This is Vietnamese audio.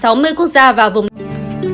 trong khoảng sáu mươi quốc gia và vùng đất nước